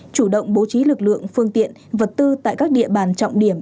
chủ động bố trí lực lượng phương tiện vật tư tại các địa bàn trọng điểm